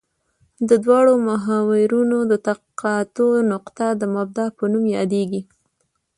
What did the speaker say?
د دواړو محورونو د تقاطع نقطه د مبدا په نوم یادیږي